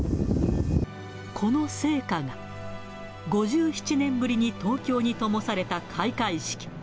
この聖火が、５７年ぶりに東京にともされた開会式。